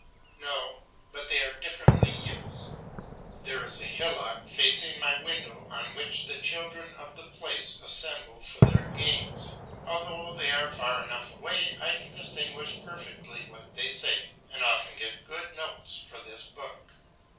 No, but they are differently used. There is a hillock facing my window on which the children of the place assemble for their games. Although they are far enough away, I can distinguish perfectly what they say, and often get good notes for this book.